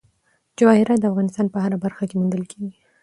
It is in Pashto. جواهرات د افغانستان په هره برخه کې موندل کېږي.